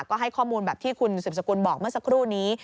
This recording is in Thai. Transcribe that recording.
ก็ให้ข้อมูลแบบที่คุณสืบสกุลบอกเมื่อสักครู่นี้